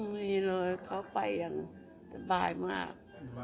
ไม่เลยเขาไปอย่างสบายมาก